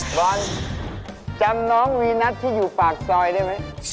บอลจำน้องวีนัทที่อยู่ปากซอยได้ไหม